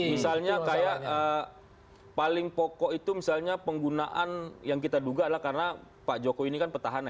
misalnya kayak paling pokok itu misalnya penggunaan yang kita duga adalah karena pak jokowi ini kan petahana